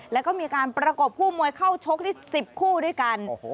แล้วก็มีการประกบคู่มวยเข้าชกที่๑๐คู่ด้วยกัน